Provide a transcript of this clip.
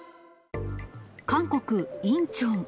韓国・インチョン。